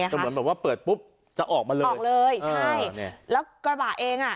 เหมือนว่าเปิดปุ๊บจะออกมาออกเลยใช่แล้วกระบะเอง